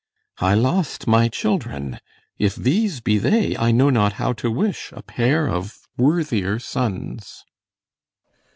I lost my children. If these be they, I know not how to wish A pair of worthier sons. BELARIUS.